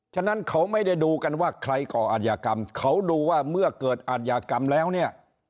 ฉะนั้นเขาไม่ได้ดูกันว่าใครก่ออาจยากรรมเขาดูว่าเมื่อเกิดอาทยากรรมแล้วเนี่ย